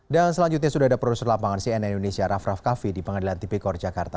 dan selanjutnya sudah ada produser lapangan cnn indonesia raff raff kaffi di pengadilan tipekor jakarta